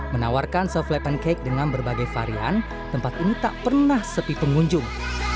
menawarkan softle pancake dengan berbagai varian tempat ini tak pernah sepi pengunjung